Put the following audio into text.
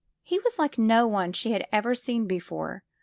He was like no one she had ever seen before.